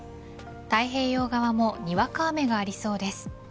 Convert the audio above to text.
太平洋側もにわか雨がありそうです。